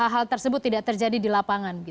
hal tersebut tidak terjadi di lapangan